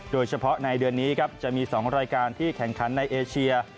โดยเฉพาะในเดือนนี้ครับจะมี๒รายการที่แข่งขันในเอเชีย